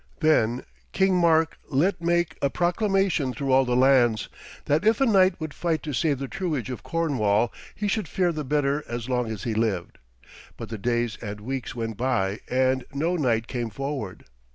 Then King Mark let make a proclamation through all the lands, that if a knight would fight to save the truage of Cornwall he should fare the better as long as he lived. But the days and weeks went by and no knight came forward.